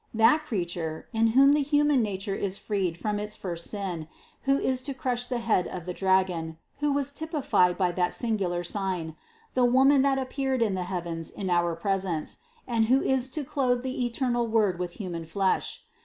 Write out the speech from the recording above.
That Creature, in whom the human nature is freed from its first sin, who is to crush the head of the dragon, who was typified by that singular sign, the Woman that appeared in the heavens in our presence, and who is to clothe the eternal Word with human flesh.